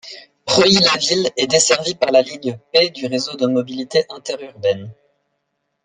Preuilly-la-Ville est desservie par la ligne P du Réseau de mobilité interurbaine.